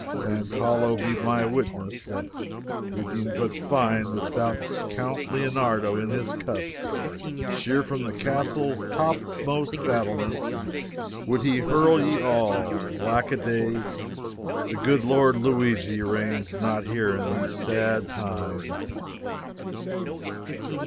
San Paolo be my witness that did ye but find the stout Count Leonardo in his cups, sheer from the castle's topmost battlements would he hurl ye all! Alack a day, the good Lord Luigi reigns not here in these sad times."